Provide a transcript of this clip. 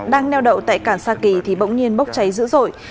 đang neo đậu tại cảng sa kỳ thì bỗng nhiên bốc cháy dữ dội